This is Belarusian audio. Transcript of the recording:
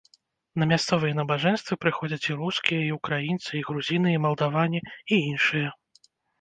На мясцовыя набажэнствы прыходзяць і рускія, і ўкраінцы, і грузіны, і малдаване, і іншыя.